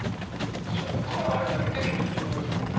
そこからあれだけできるってことですもんね